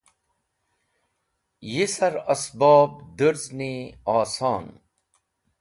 Yisar ẽsbob(devise) durzni oson nast.